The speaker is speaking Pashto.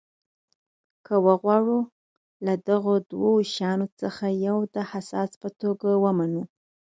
که وغواړو له دغو دوو شیانو څخه یو د اساس په توګه ومنو.